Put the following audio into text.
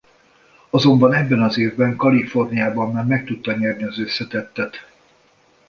Azonban ebben az évben Kaliforniában már meg tudta nyerni az összetettet.